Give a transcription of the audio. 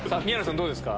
どうですか？